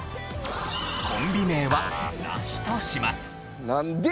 コンビ名はなしとします。